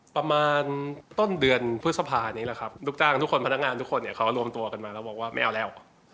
ประมาณต้นเดือนพฤษภานี้แหละครับลูกจ้างทุกคนพนักงานทุกคนเนี่ยเขารวมตัวกันมาแล้วบอกว่าไม่เอาแล้ว